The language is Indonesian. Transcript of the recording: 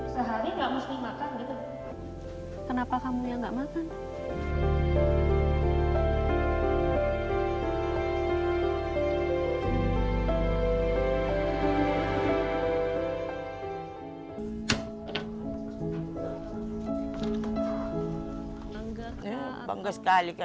sehari enggak mesti makan kenapa kamu yang nggak makan